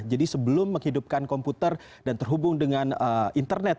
jadi sebelum menghidupkan komputer dan terhubung dengan internet